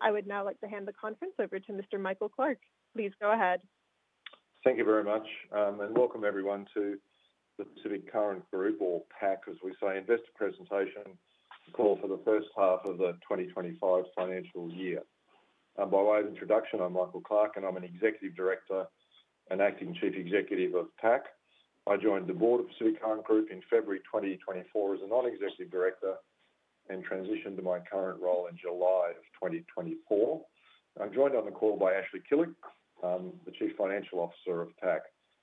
I would now like to hand the conference over to Mr. Michael Clarke. Please go ahead. Thank you very much, and welcome everyone to the Pacific Current Group, or PAC as we say, investor presentation call for the first half of the 2025 financial year. By way of introduction, I'm Michael Clarke, and I'm an Executive Director and Acting Chief Executive of PAC. I joined the board of Pacific Current Group in February 2024 as a Non-Executive Director and transitioned to my current role in July of 2024. I'm joined on the call by Ashley Killick, the Chief Financial Officer of PAC.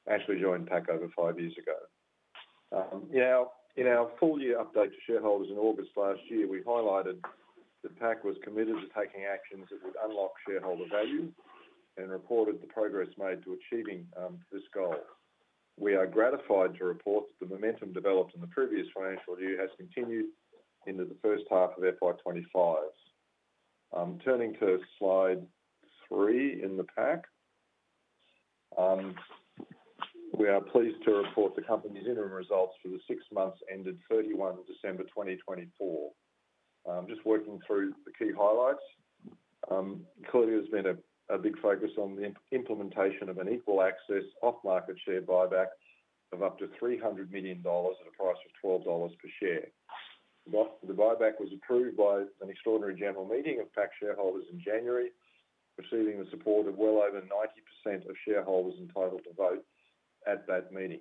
Ashley joined PAC over five years ago. In our full-year update to shareholders in August last year, we highlighted that PAC was committed to taking actions that would unlock shareholder value and reported the progress made to achieving this goal. We are gratified to report that the momentum developed in the previous financial year has continued into the first half of FY2025. Turning to slide three in the PAC, we are pleased to report the company's interim results for the six months ended 31 December 2024. Just working through the key highlights, clearly there has been a big focus on the implementation of an equal access off-market share buyback of up to 300 million dollars at a price of 12 dollars per share. The buyback was approved by an extraordinary general meeting of PAC shareholders in January, receiving the support of well over 90% of shareholders entitled to vote at that meeting.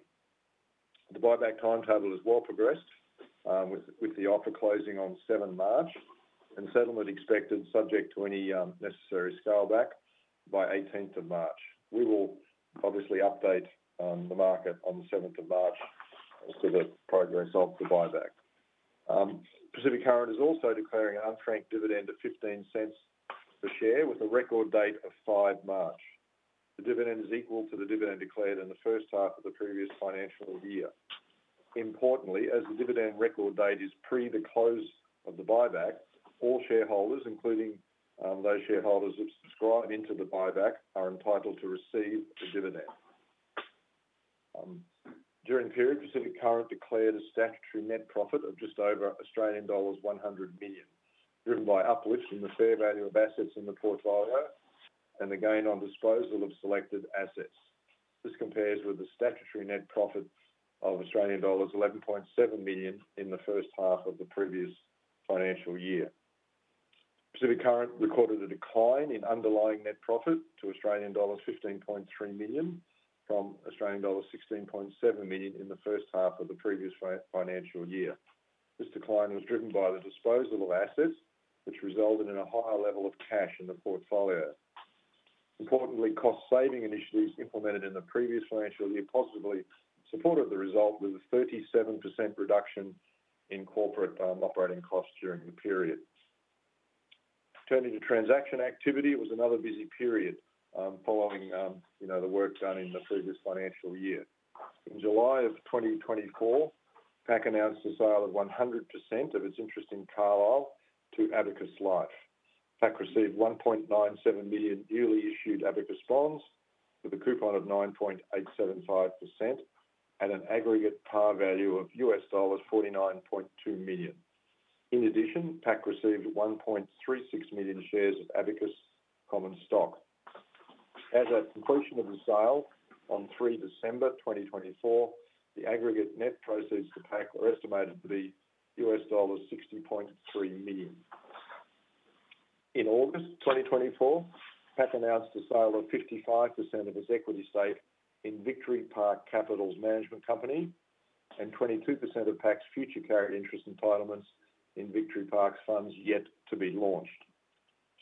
The buyback timetable has well progressed, with the offer closing on 7 March and settlement expected subject to any necessary scale back by 18 March. We will obviously update the market on 7 March as to the progress of the buyback. Pacific Current is also declaring an unfranked dividend of 0.15 per share with a record date of 5 March. The dividend is equal to the dividend declared in the first half of the previous financial year. Importantly, as the dividend record date is pre the close of the buyback, all shareholders, including those shareholders that subscribe into the buyback, are entitled to receive the dividend. During the period, Pacific Current declared a statutory net profit of just over Australian dollars 100 million, driven by uplifts in the fair value of assets in the portfolio and the gain on disposal of selected assets. This compares with the statutory net profit of Australian dollars 11.7 million in the first half of the previous financial year. Pacific Current recorded a decline in underlying net profit to Australian dollars 15.3 million from Australian dollars 16.7 million in the first half of the previous financial year. This decline was driven by the disposal of assets, which resulted in a higher level of cash in the portfolio. Importantly, cost-saving initiatives implemented in the previous financial year positively supported the result with a 37% reduction in corporate operating costs during the period. Turning to transaction activity, it was another busy period following the work done in the previous financial year. In July of 2024, PAC announced the sale of 100% of its interest in Carlyle to Abacus Life. PAC received 1.97 million newly issued Abacus Bonds with a coupon of 9.875% and an aggregate par value of $49.2 million. In addition, PAC received 1.36 million shares of Abacus Common Stock. At completion of the sale on December 3, 2024, the aggregate net proceeds to PAC were estimated to be $60.3 million. In August 2024, PAC announced the sale of 55% of its equity stake in Victory Park Capital's management company and 22% of PAC's future carried interest entitlements in Victory Park's funds yet to be launched.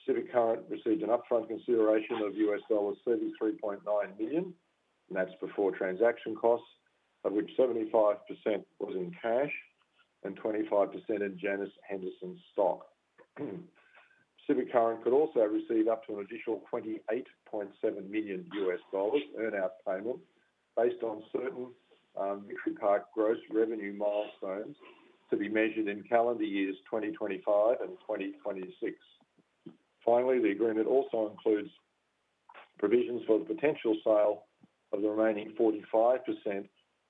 Pacific Current received an upfront consideration of $33.9 million, and that's before transaction costs, of which 75% was in cash and 25% in Janus Henderson's stock. Pacific Current could also receive up to an additional $28.7 million earn-out payment based on certain Victory Park gross revenue milestones to be measured in calendar years 2025 and 2026. Finally, the agreement also includes provisions for the potential sale of the remaining 45%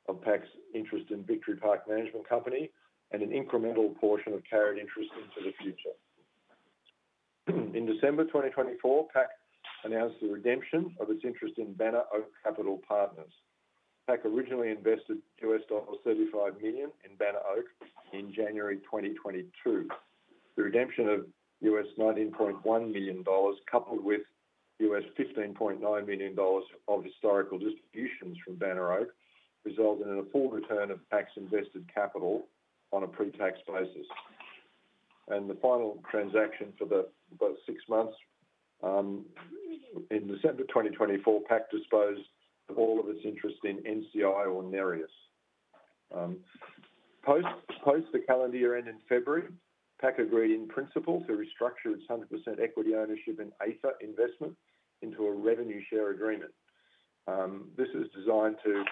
of PAC's interest in Victory Park Management Company and an incremental portion of carried interest into the future. In December 2024, PAC announced the redemption of its interest in Banner Oak Capital Partners. PAC originally invested $35 million in Banner Oak in January 2022. The redemption of $19.1 million, coupled with $15.9 million of historical distributions from Banner Oak, resulted in a full return of PAC's invested capital on a pre-tax basis. The final transaction for the six months, in December 2024, PAC disposed of all of its interest in NCI or Nereus. Post the calendar year end in February, PAC agreed in principle to restructure its 100% equity ownership in Aether Investment into a revenue share agreement. This is designed to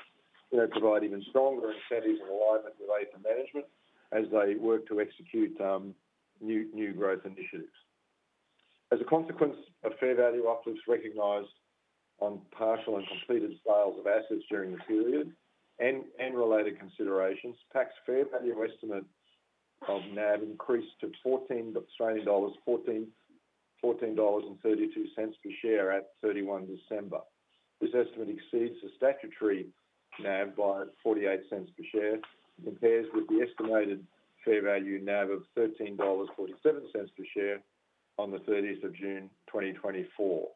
provide even stronger incentives and alignment with Aether Management as they work to execute new growth initiatives. As a consequence of fair value uplifts recognized on partial and completed sales of assets during the period and related considerations, PAC's fair value estimate of NAV increased to 14.32 Australian dollars per share at 31 December. This estimate exceeds the statutory NAV by 0.48 per share and compares with the estimated fair value NAV of AUD 13.47 per share on the 30th of June 2024.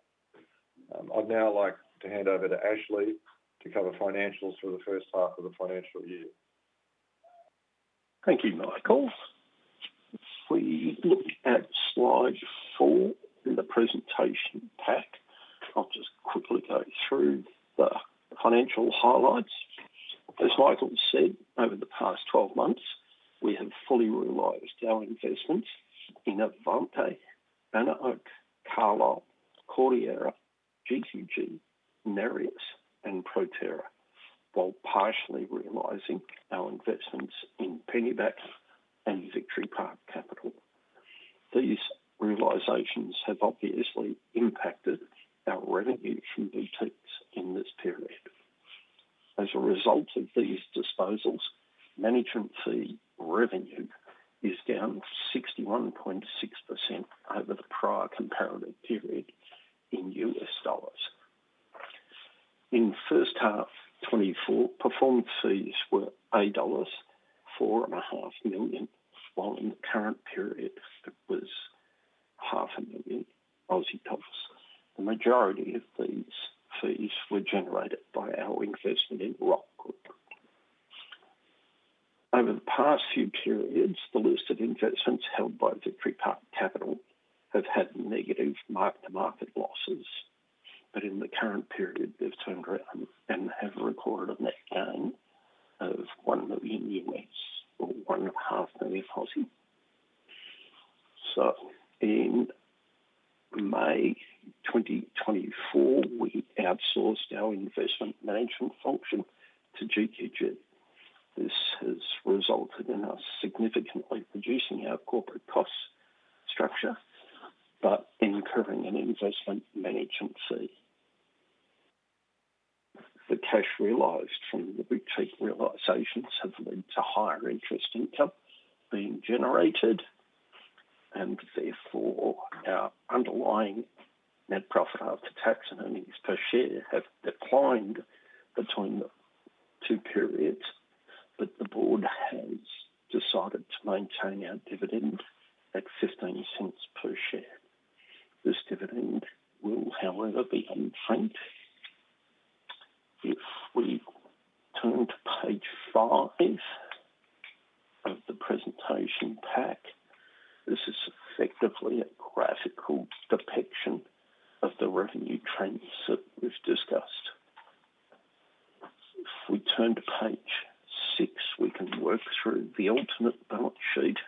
I'd now like to hand over to Ashley to cover financials for the first half of the financial year. Thank you, Michael. We look at slide four in the presentation pack. I'll just quickly go through the financial highlights. As Michael said, over the past 12 months, we have fully realized our investments in Avante, Banner Oak Capital Partners, Carlyle, Cordiera, GQG Partners, Nereus, and Proterra, while partially realizing our investments in Pennybacker Capital and Victory Park Capital. These realizations have obviously impacted our revenue from boutiques in this period. As a result of these disposals, management fee revenue is down 61.6% over the prior comparative period in USD. In first half 2024, performance fees were $8.45 million, while in the current period, it was 500,000. The majority of these fees were generated by our investment in Rock Group. Over the past few periods, the listed investments held by Victory Park Capital have had negative mark-to-market losses, but in the current period, they've turned around and have recorded a net gain of $1 million US, or 1.5 million. In May 2024, we outsourced our investment management function to GQG. This has resulted in us significantly reducing our corporate cost structure but incurring an investment management fee. The cash realized from the boutique realizations have led to higher interest income being generated, and therefore our underlying net profit after tax and earnings per share have declined between the two periods, but the board has decided to maintain our dividend at 0.15 per share. This dividend will, however, be unfranked. If we turn to page five of the presentation pack, this is effectively a graphical depiction of the revenue trends that we've discussed. If we turn to page six, we can work through the ultimate balance sheet.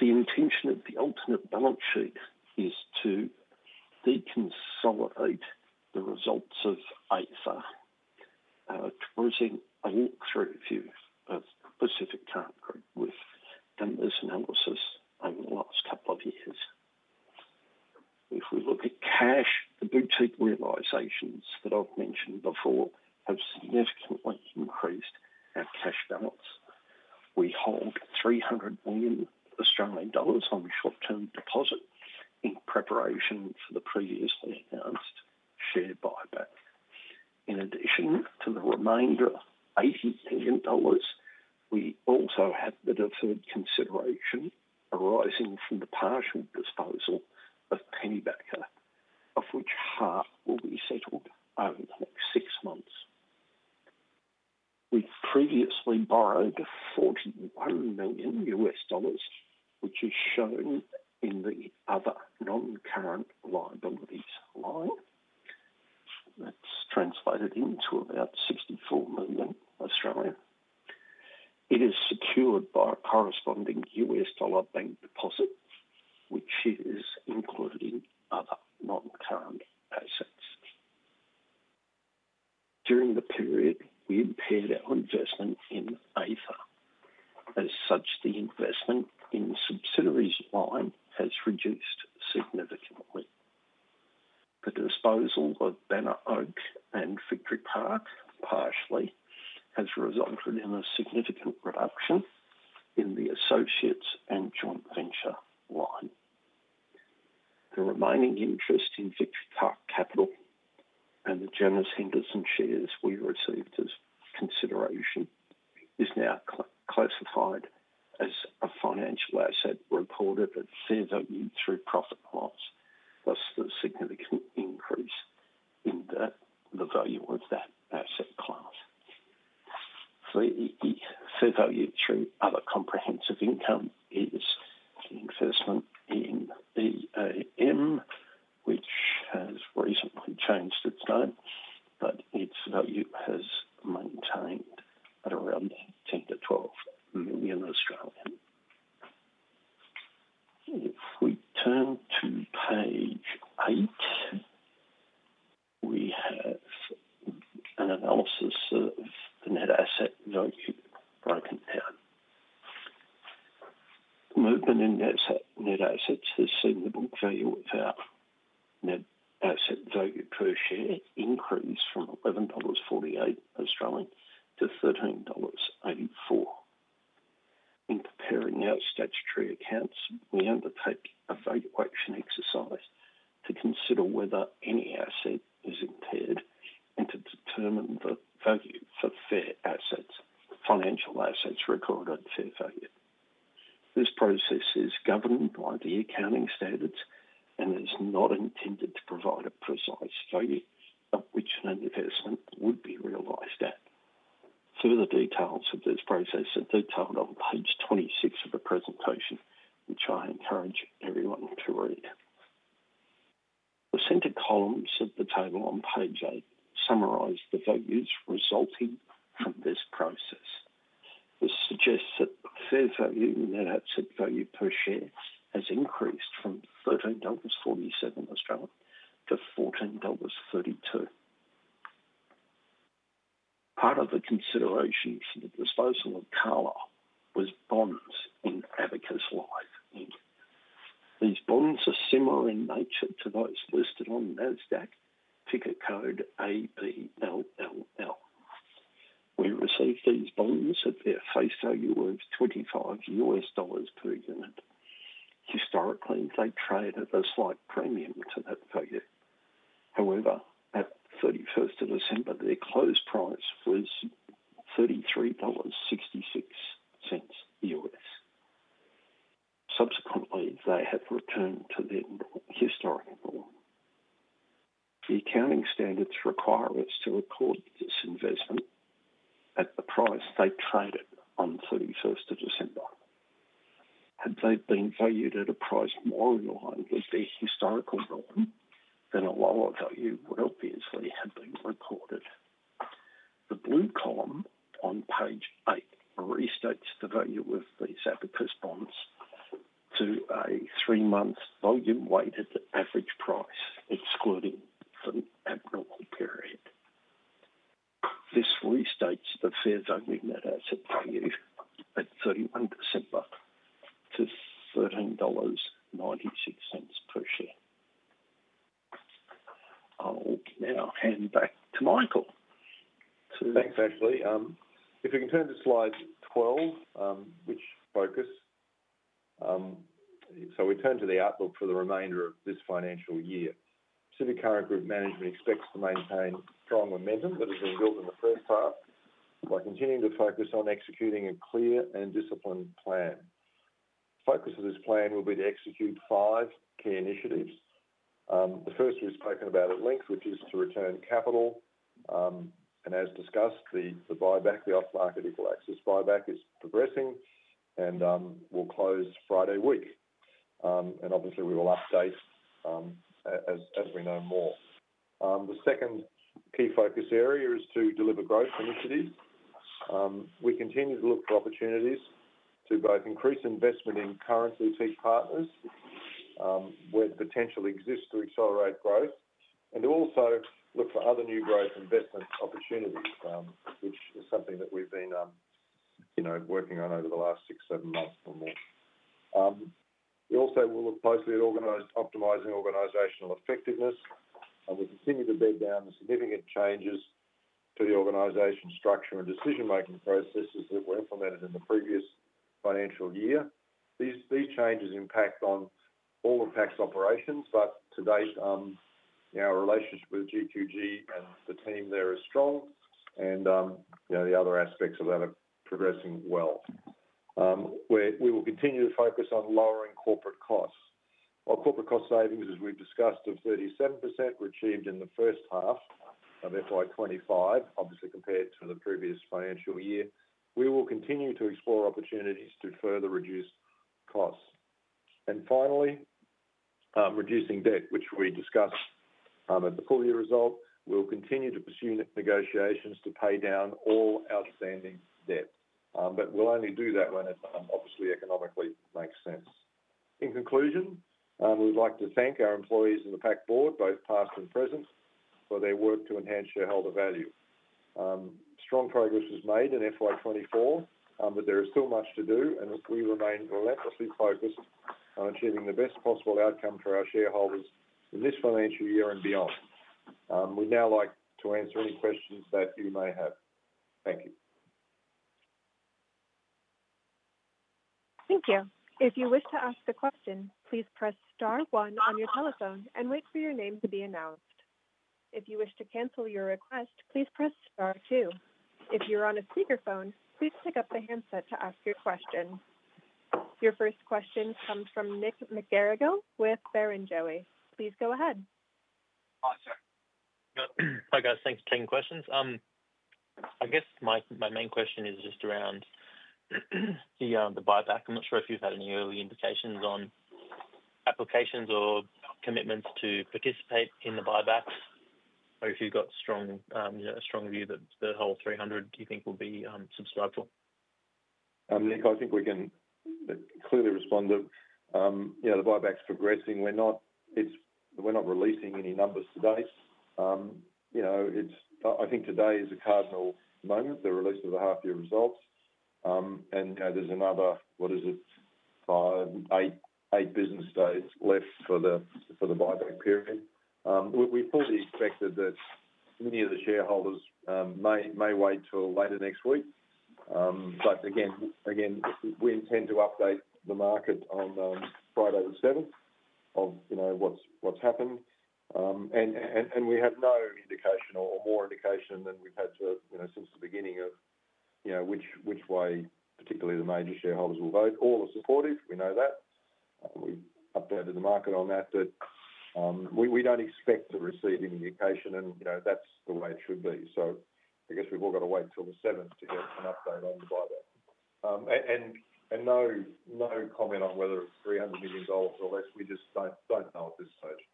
The intention of the ultimate balance sheet is to deconsolidate the results of Aether to present a look-through view of Pacific Current Group with numbers analysis over the last couple of years. If we look at cash, the boutique realizations that I've mentioned before have significantly increased our cash balance. We hold 300 million Australian dollars on a short-term deposit in preparation for the previously announced share buyback. In addition to the remainder of $80 million, we also have the deferred consideration arising from the partial disposal of Pennybacker, of which half will be settled over the next six months. We've previously borrowed $41 million, which is shown in the other non-current liabilities line. That's translated into about 64 million. It is secured by a corresponding US dollar bank deposit, which is included in other non-current assets. During the period, we impaired our investment in Aether. As such, the investment in subsidiaries line has reduced significantly. The disposal of Banner Oak and Victory Park partially has resulted in a significant reduction in the associates and joint venture line. The remaining interest in Victory Park Capital and the Janus Henderson shares we received as consideration is now classified as a financial asset reported at fair value through profit loss, thus the significant increase in the value of that This suggests that the fair value net asset value per share has increased from 13.47-14.32 Australian dollars. Part of the considerations in the disposal of Carlyle was bonds in Abacus Life. These bonds are similar in nature to those listed on NASDAQ, ticket code ABLLL. We received these bonds at their face value of $25 per unit. Historically, they traded a slight premium to that value. However, at 31 December, their close price was $33.66 U.S. Subsequently, they have returned to their normal historical norm. The accounting standards require us to record this investment at the price they traded on 31 December. Had they been valued at a price more in line with their historical norm, then a lower value would obviously have been recorded. The blue column on page eight restates the value of these Abacus bonds to a three-month volume-weighted average price, excluding the abnormal period. This restates the fair value net asset value at 31 December to 13.96 dollars per share. I'll now hand back to Michael to. Thanks, Ashley. If we can turn to slide 12, which focuses. We turn to the outlook for the remainder of this financial year. Pacific Current Group Management expects to maintain strong momentum that has been built in the first half by continuing to focus on executing a clear and disciplined plan. The focus of this plan will be to execute five key initiatives. The first we have spoken about at length, which is to return capital. As discussed, the buyback, the off-market equal access buyback is progressing and will close Friday week. Obviously, we will update as we know more. The second key focus area is to deliver growth initiatives. We continue to look for opportunities to both increase investment in current boutique partners where the potential exists to accelerate growth, and to also look for other new growth investment opportunities, which is something that we've been working on over the last six, seven months or more. We also will look closely at optimizing organizational effectiveness. We continue to bed down the significant changes to the organization structure and decision-making processes that were implemented in the previous financial year. These changes impact all of PAC's operations, but to date, our relationship with GQG and the team there is strong, and the other aspects of that are progressing well. We will continue to focus on lowering corporate costs. Our corporate cost savings, as we've discussed, of 37% were achieved in the first half, therefore by 2025, obviously compared to the previous financial year. We will continue to explore opportunities to further reduce costs. Finally, reducing debt, which we discussed at the full year result, we will continue to pursue negotiations to pay down all outstanding debt, but we will only do that when it obviously economically makes sense. In conclusion, we would like to thank our employees and the PAC board, both past and present, for their work to enhance shareholder value. Strong progress was made in FY24, but there is still much to do, and we remain relentlessly focused on achieving the best possible outcome for our shareholders in this financial year and beyond. We would now like to answer any questions that you may have. Thank you. Thank you. If you wish to ask a question, please press star one on your telephone and wait for your name to be announced. If you wish to cancel your request, please press star two. If you're on a speakerphone, please pick up the handset to ask your question. Your first question comes from Nick McGarrigle with Barrenjoey. Please go ahead. Hi, sir. Hi, guys. Thanks for taking questions. I guess my main question is just around the buyback. I'm not sure if you've had any early indications on applications or commitments to participate in the buyback, or if you've got a strong view that the whole 300 you think will be subscribed for. Nick, I think we can clearly respond that the buyback's progressing. We're not releasing any numbers today. I think today is a cardinal moment. The release of the half-year results. There's another, what is it, five business days left for the buyback period. We fully expected that many of the shareholders may wait till later next week. Again, we intend to update the market on Friday the 7th of what's happened. We have no indication or more indication than we've had since the beginning of which way particularly the major shareholders will vote. All are supportive. We know that. We've updated the market on that, but we don't expect to receive any indication, and that's the way it should be. I guess we've all got to wait till the 7th to get an update on the buyback. No comment on whether it's $300 million or less. We just don't know at this stage.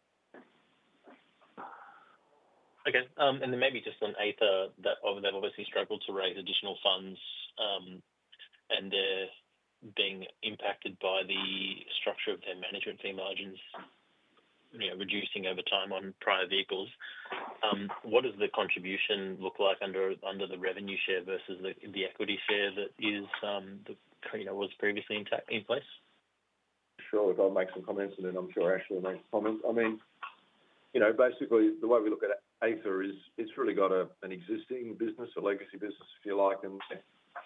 Okay. Maybe just on Aether, that obviously struggled to raise additional funds and they're being impacted by the structure of their management team margins reducing over time on prior vehicles. What does the contribution look like under the revenue share versus the equity share that was previously in place? Sure. I'll make some comments, and then I'm sure Ashley will make some comments. I mean, basically, the way we look at Aether is it's really got an existing business, a legacy business, if you like, and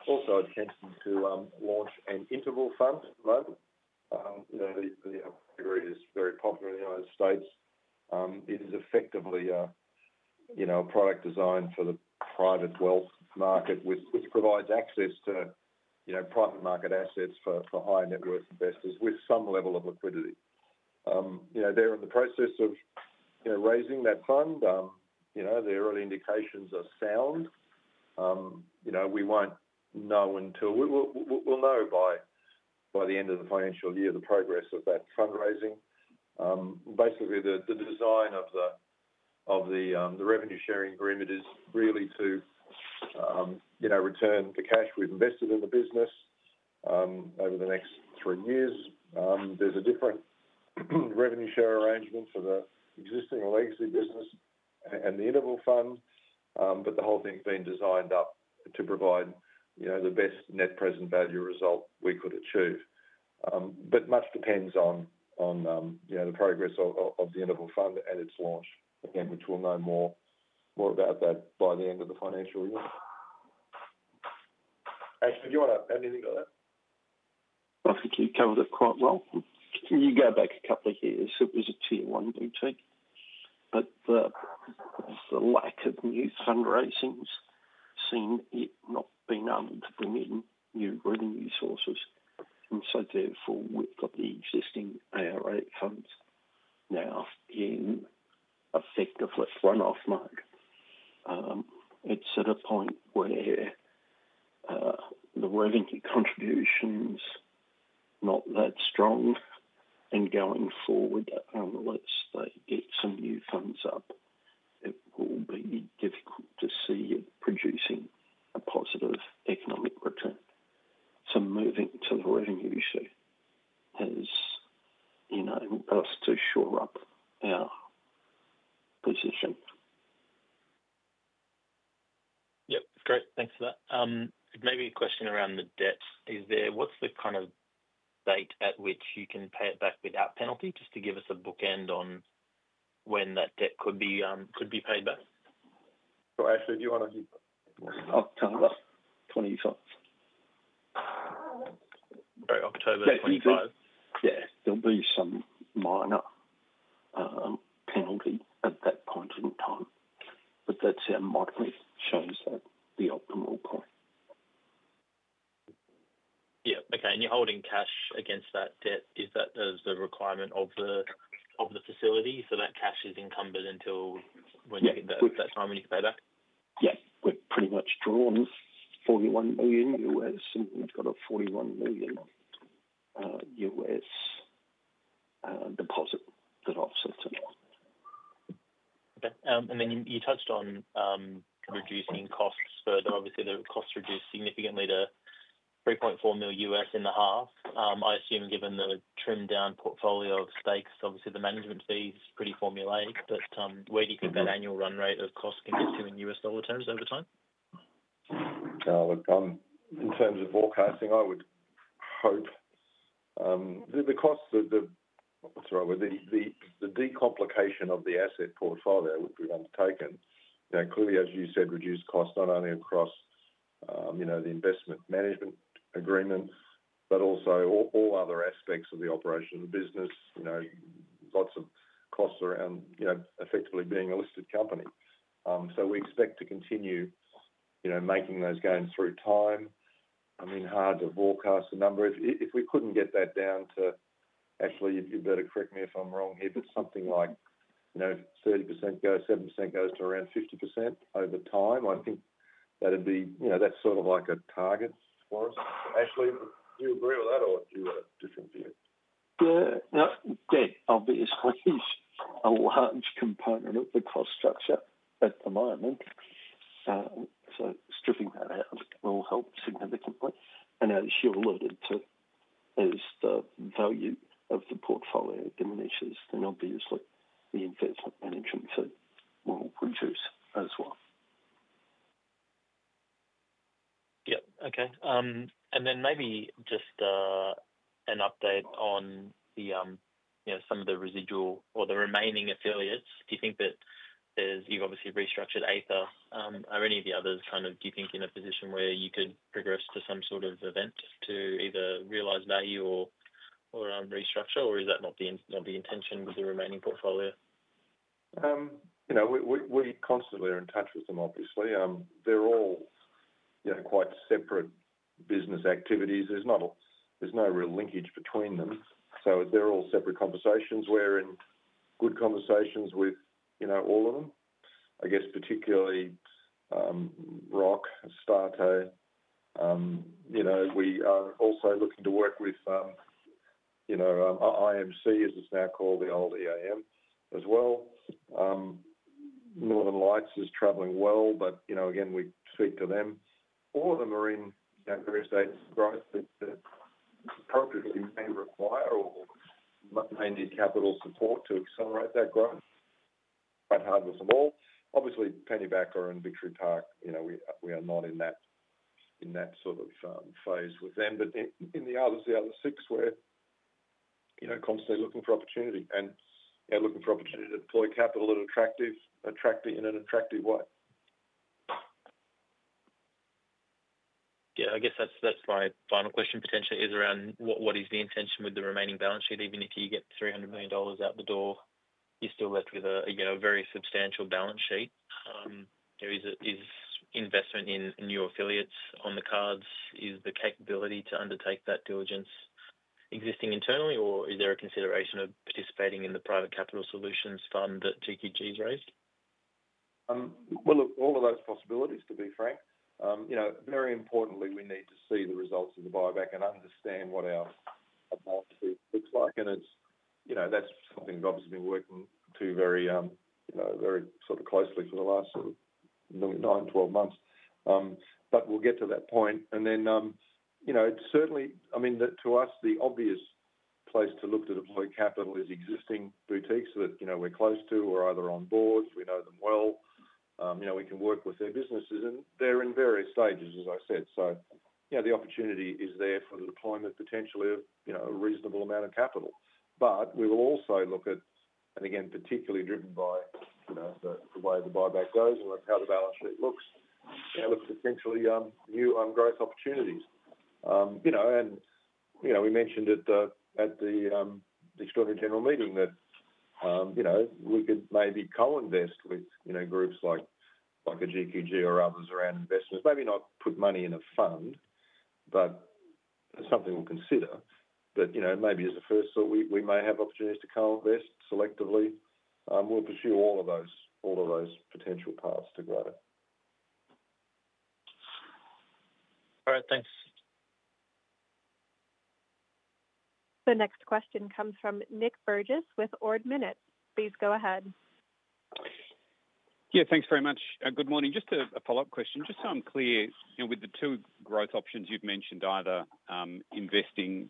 also a tendency to launch an interval fund. The degree is very popular in the United States. It is effectively a product designed for the private wealth market, which provides access to private market assets for high net worth investors with some level of liquidity. They're in the process of raising that fund. The early indications are sound. We won't know until we'll know by the end of the financial year the progress of that fundraising. Basically, the design of the revenue sharing agreement is really to return the cash we've invested in the business over the next three years. There's a different revenue share arrangement for the existing legacy business and the interval fund, but the whole thing's been designed up to provide the best net present value result we could achieve. Much depends on the progress of the interval fund and its launch, which we'll know more about by the end of the financial year. Ashley, do you want to add anything to that? Thank you. You covered it quite well. You go back a couple of years, it was a tier one boutique, but the lack of new fundraising's seen it not being able to bring in new revenue sources. Therefore, we've got the existing ARA funds now in effective run-off mode. It's at a point where the revenue contribution's not that strong. Going forward, unless they get some new funds up, it will be difficult to see it producing a positive economic return. Moving to the revenue issue has asked to shore up our position. Yep. Great. Thanks for that. Maybe a question around the debt. What's the kind of date at which you can pay it back without penalty? Just to give us a bookend on when that debt could be paid back. Sure. Ashley, do you want to. October 25. Sorry. October 25. Yeah. There'll be some minor penalty at that point in time, but that's how management shows at the optimal point. Yeah. Okay. You are holding cash against that debt. Is that the requirement of the facility? That cash is encumbered until that time when you pay back? Yeah. We've pretty much drawn $41 million U.S. and we've got a $41 million U.S. deposit that I've set up. Okay. You touched on reducing costs further. Obviously, the costs reduced significantly to $3.4 million U.S. in the half. I assume given the trimmed-down portfolio of stakes, obviously the management fee is pretty formulaic, but where do you think that annual run rate of costs can get to in U.S. dollar terms over time? In terms of forecasting, I would hope the costs of the, sorry, the decomplication of the asset portfolio would be undertaken. Clearly, as you said, reduced costs not only across the investment management agreement, but also all other aspects of the operation of the business. Lots of costs around effectively being a listed company. We expect to continue making those gains through time. I mean, hard to forecast the number. If we could not get that down to, Ashley, you better correct me if I am wrong here, but something like 30% goes, 7% goes to around 50% over time, I think that would be, that is sort of like a target for us. Ashley, do you agree with that or do you have a different view? Yeah. Debt, obviously, is a large component of the cost structure at the moment. Stripping that out will help significantly. As you alluded to, as the value of the portfolio diminishes, then obviously the investment management fee will reduce as well. Okay. Maybe just an update on some of the residual or the remaining affiliates. Do you think that you've obviously restructured Aether, are any of the others kind of in a position where you could progress to some sort of event to either realize value or restructure, or is that not the intention with the remaining portfolio? We constantly are in touch with them, obviously. They're all quite separate business activities. There's no real linkage between them. So they're all separate conversations. We're in good conversations with all of them. I guess particularly Rock, Astato. We are also looking to work with IMC, as it's now called, the old EAM, as well. Northern Lights is traveling well, but again, we speak to them. All of them are in various states of growth that appropriately may require or may need capital support to accelerate that growth. Quite hard with them all. Obviously, Pennybacker and Victory Park, we are not in that sort of phase with them. In the others, the other six, we're constantly looking for opportunity and looking for opportunity to deploy capital in an attractive way. Yeah. I guess that's my final question potentially is around what is the intention with the remaining balance sheet? Even if you get $300 million out the door, you're still left with a very substantial balance sheet. Is investment in new affiliates on the cards? Is the capability to undertake that diligence existing internally, or is there a consideration of participating in the private capital solutions fund that GQG's raised? Look, all of those possibilities, to be frank. Very importantly, we need to see the results of the buyback and understand what our balance sheet looks like. That is something we have obviously been working to very closely for the last nine, twelve months. We will get to that point. Certainly, I mean, to us, the obvious place to look to deploy capital is existing boutiques that we are close to or either on board. We know them well. We can work with their businesses. They are in various stages, as I said. The opportunity is there for the deployment potentially of a reasonable amount of capital. We will also look at, and again, particularly driven by the way the buyback goes and how the balance sheet looks, potentially new growth opportunities. We mentioned at the extraordinary general meeting that we could maybe co-invest with groups like GQG or others around investments. Maybe not put money in a fund, but something we'll consider. Maybe as a first thought, we may have opportunities to co-invest selectively. We'll pursue all of those potential paths to grow. All right. Thanks. The next question comes from Nic Burgess with Ord Minnett. Please go ahead. Yeah. Thanks very much. Good morning. Just a follow-up question. Just so I'm clear, with the two growth options you've mentioned, either investing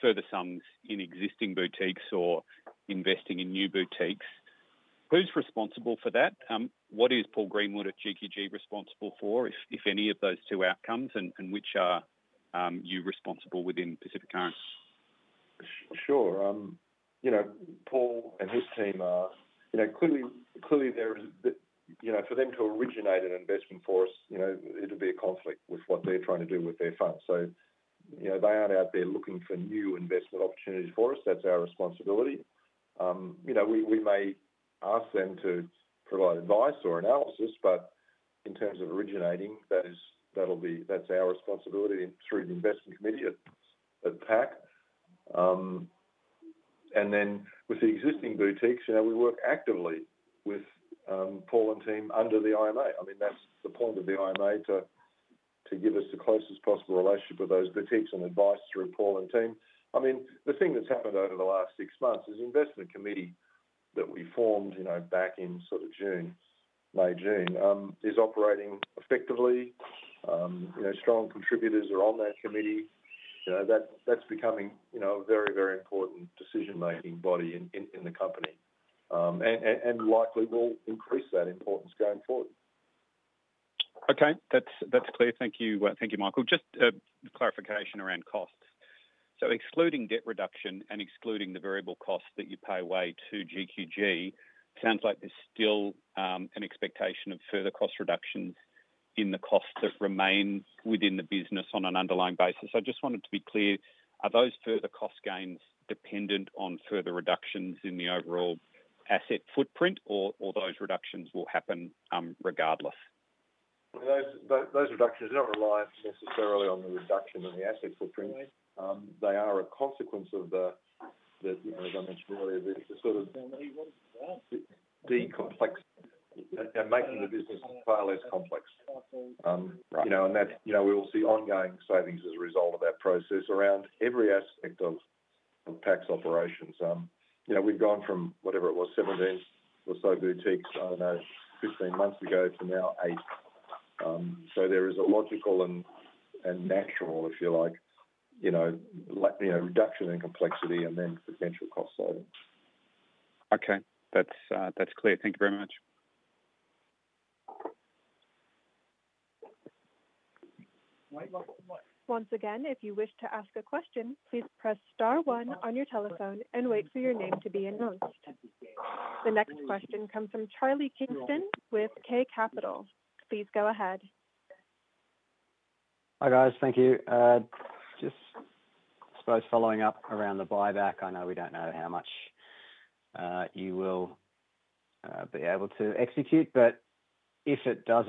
further sums in existing boutiques or investing in new boutiques, who's responsible for that? What is Paul Greenwood at GQG responsible for, if any of those two outcomes, and which are you responsible with in Pacific Current? Sure. Paul and his team are clearly, there is for them to originate an investment for us, it'd be a conflict with what they're trying to do with their funds. They aren't out there looking for new investment opportunities for us. That's our responsibility. We may ask them to provide advice or analysis, but in terms of originating, that's our responsibility through the investment committee at PAC. With the existing boutiques, we work actively with Paul and team under the IMA. I mean, that's the point of the IMA to give us the closest possible relationship with those boutiques and advice through Paul and team. I mean, the thing that's happened over the last six months is the investment committee that we formed back in sort of June, May, June is operating effectively. Strong contributors are on that committee. That's becoming a very, very important decision-making body in the company and likely will increase that importance going forward. Okay. That's clear. Thank you, Michael. Just a clarification around costs. Excluding debt reduction and excluding the variable costs that you pay away to GQG, it sounds like there's still an expectation of further cost reductions in the costs that remain within the business on an underlying basis. I just wanted to be clear, are those further cost gains dependent on further reductions in the overall asset footprint, or those reductions will happen regardless? Those reductions are not reliant necessarily on the reduction in the asset footprint. They are a consequence of the, as I mentioned earlier, the sort of decomplex and making the business far less complex. We will see ongoing savings as a result of that process around every aspect of PAC's operations. We have gone from whatever it was, 17 or so boutiques, I do not know, 15 months ago to now 8. There is a logical and natural, if you like, reduction in complexity and then potential cost savings. Okay. That's clear. Thank you very much. Once again, if you wish to ask a question, please press star one on your telephone and wait for your name to be announced. The next question comes from Charlie Kingston with K Capital. Please go ahead. Hi guys. Thank you. Just, I suppose, following up around the buyback. I know we do not know how much you will be able to execute, but if it does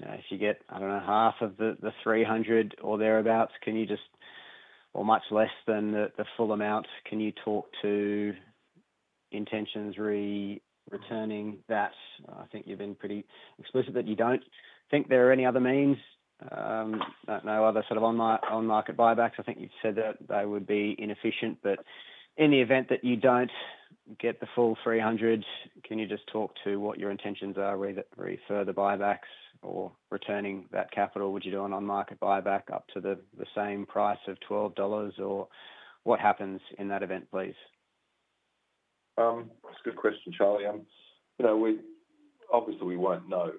not, if you get, I do not know, half of the 300 or thereabouts, or much less than the full amount, can you talk to intentions returning that? I think you have been pretty explicit that you do not think there are any other means, no other sort of on-market buybacks. I think you said that they would be inefficient. In the event that you do not get the full 300, can you just talk to what your intentions are with further buybacks or returning that capital? Would you do an on-market buyback up to the same price of $12, or what happens in that event, please? That's a good question, Charlie. Obviously, we won't know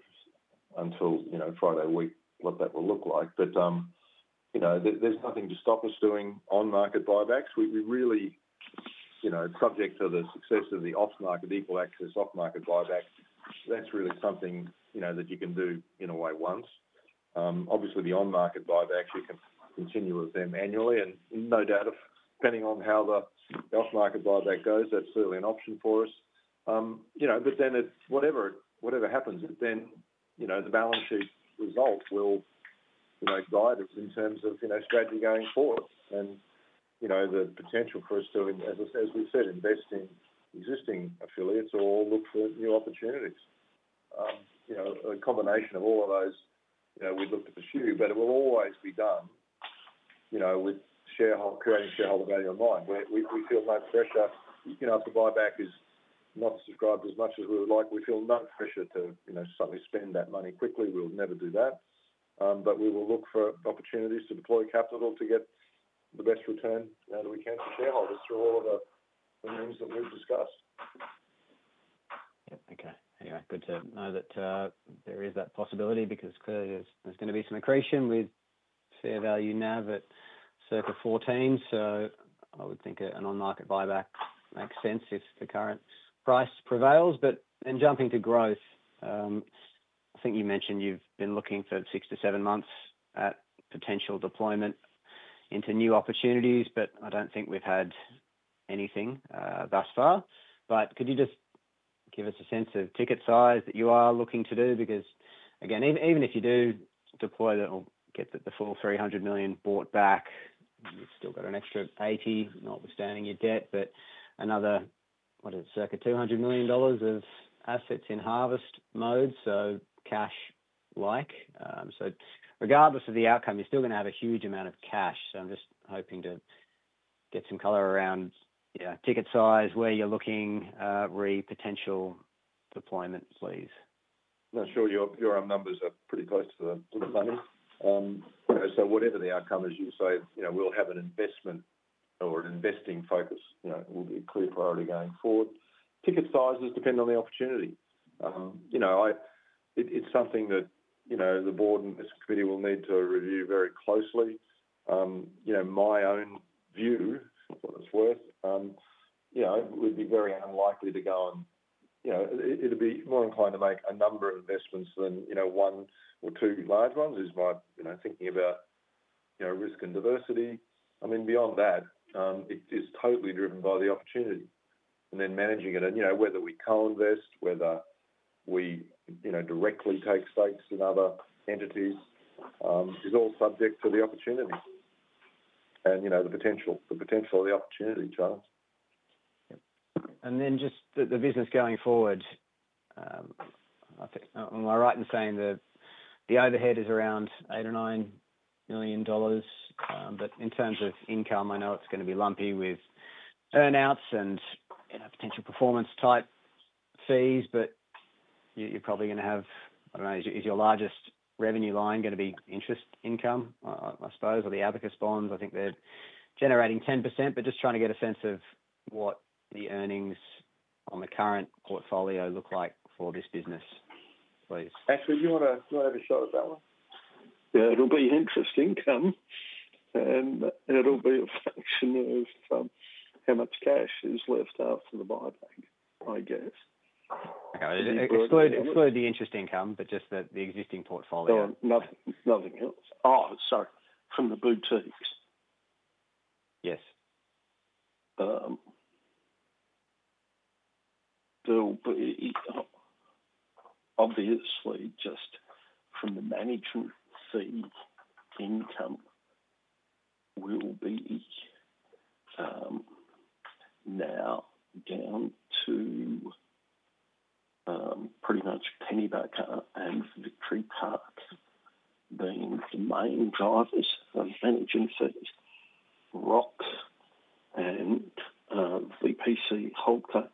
until Friday what that will look like. There's nothing to stop us doing on-market buybacks. We're really subject to the success of the off-market equal access off-market buyback. That's really something that you can do in a way once. Obviously, the on-market buyback, you can continue with them annually. No doubt, depending on how the off-market buyback goes, that's certainly an option for us. Whatever happens, the balance sheet result will guide us in terms of strategy going forward and the potential for us to, as we said, invest in existing affiliates or look for new opportunities. A combination of all of those, we'd look to pursue, but it will always be done with creating shareholder value in mind. We feel no pressure. If the buyback is not subscribed as much as we would like, we feel no pressure to suddenly spend that money quickly. We will never do that. We will look for opportunities to deploy capital to get the best return that we can for shareholders through all of the means that we have discussed. Yeah. Okay. Yeah. Good to know that there is that possibility because clearly there's going to be some accretion with fair value now that circa 14. So I would think an on-market buyback makes sense if the current price prevails. Jumping to growth, I think you mentioned you've been looking for six to seven months at potential deployment into new opportunities, but I don't think we've had anything thus far. Could you just give us a sense of ticket size that you are looking to do? Again, even if you do deploy that or get the full 300 million bought back, you've still got an extra 80 million notwithstanding your debt, but another, what is it, circa 200 million dollars of assets in harvest mode, so cash-like. Regardless of the outcome, you're still going to have a huge amount of cash. I'm just hoping to get some color around ticket size, where you're looking, re-potential deployment, please. Not sure. Your numbers are pretty close to the money. Whatever the outcome is, you say we'll have an investment or an investing focus will be a clear priority going forward. Ticket sizes depend on the opportunity. It's something that the board and this committee will need to review very closely. My own view, for what it's worth, would be very unlikely to go and I'd be more inclined to make a number of investments than one or two large ones is my thinking about risk and diversity. I mean, beyond that, it is totally driven by the opportunity. Managing it, whether we co-invest, whether we directly take stakes in other entities, is all subject to the opportunity and the potential of the opportunity, Charles. Just the business going forward, am I right in saying the overhead is around $8 million-$9 million? In terms of income, I know it's going to be lumpy with earnouts and potential performance-type fees, but you're probably going to have, I don't know, is your largest revenue line going to be interest income, I suppose, or the Abacus bonds? I think they're generating 10%, but just trying to get a sense of what the earnings on the current portfolio look like for this business, please. Ashley, do you want to do a shot at that one? Yeah. It'll be interest income. And it'll be a fraction of how much cash is left after the buyback, I guess. Exclude the interest income, but just the existing portfolio. Nothing else. Oh, sorry. From the boutiques. Yes. There'll be, obviously, just from the management fee income, we'll be now down to pretty much Pennybacker and Victory Park being the main drivers of management fees. Rock and Victory Park Capital, Holcock,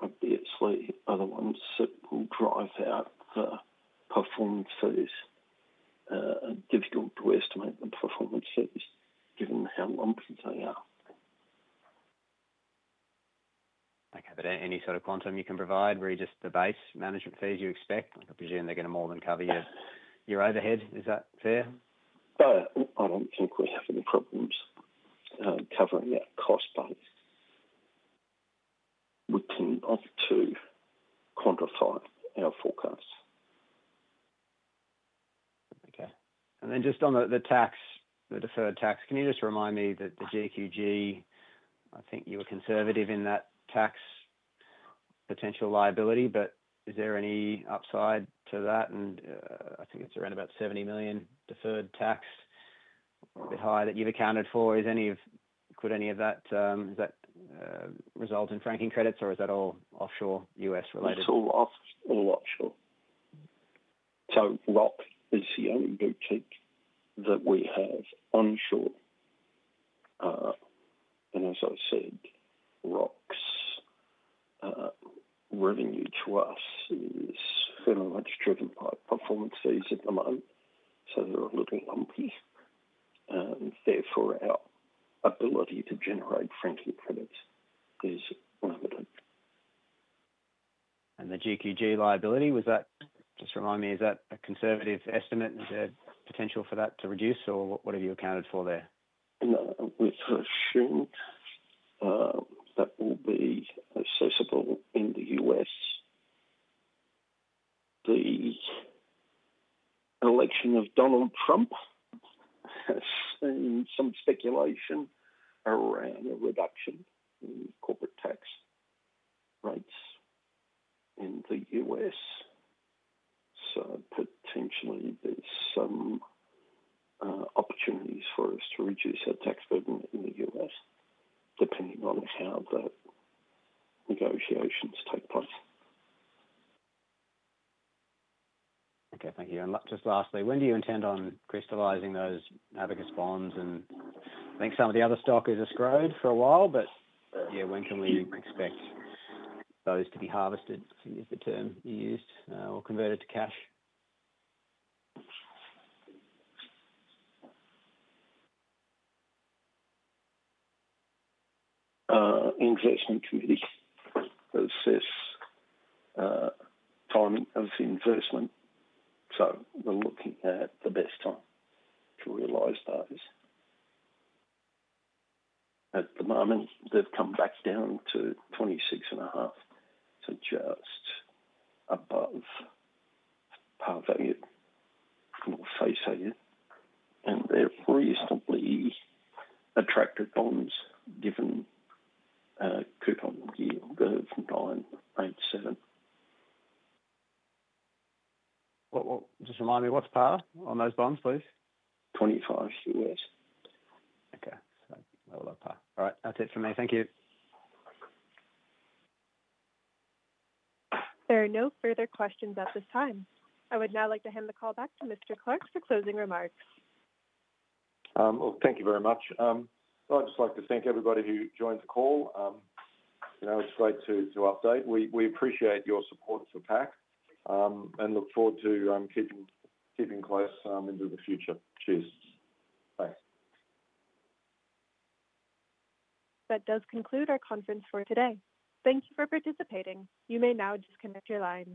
obviously, are the ones that will drive out the performance fees. Difficult to estimate the performance fees given how lumpy they are. Okay. Any sort of quantum you can provide? Really, just the base management fees you expect? I presume they're going to more than cover your overhead. Is that fair? I don't think we're having problems covering that cost base. We can opt to quantify our forecasts. Okay. Just on the deferred tax, can you just remind me that the GQG, I think you were conservative in that tax potential liability, but is there any upside to that? I think it is around 70 million deferred tax, a bit higher that you have accounted for. Could any of that result in franking credits, or is that all offshore U.S.-related? It's all offshore. Rock is the only boutique that we have onshore. As I said, Rock's revenue to us is very much driven by performance fees at the moment. They're a little lumpy. Therefore, our ability to generate franking credits is limited. The GQG liability, just remind me, is that a conservative estimate? Is there potential for that to reduce, or what have you accounted for there? No. We've assumed that will be accessible in the U.S. The election of Donald Trump has seen some speculation around a reduction in corporate tax rates in the U.S. Potentially, there's some opportunities for us to reduce our tax burden in the U.S. depending on how the negotiations take place. Okay. Thank you. Just lastly, when do you intend on crystallizing those Abacus bonds? I think some of the other stock is escrowed for a while, but yeah, when can we expect those to be harvested, is the term you used, or converted to cash? Investment committee assess time of investment. We are looking at the best time to realise those. At the moment, they have come back down to $26.50, so just above par value, more face value. They have recently attracted bonds given coupon yield of 9.87%. Just remind me, what's par on those bonds, please? 25 U.S. Okay. Par. All right. That's it from me. Thank you. There are no further questions at this time. I would now like to hand the call back to Mr. Clarke for closing remarks. Thank you very much. I'd just like to thank everybody who joined the call. It's great to update. We appreciate your support for PAC and look forward to keeping close into the future. Cheers. Thanks. That does conclude our conference for today. Thank you for participating. You may now disconnect your line.